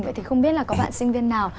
vậy thì không biết là có bạn sinh viên nào